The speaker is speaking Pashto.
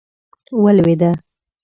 ولوېده.